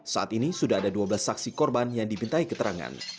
saat ini sudah ada dua belas saksi korban yang dimintai keterangan